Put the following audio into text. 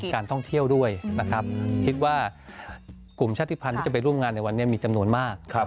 การท่องเที่ยวด้วยนะครับคิดว่ากลุ่มชาติภัณฑ์ที่จะไปร่วมงานในวันนี้มีจำนวนมาก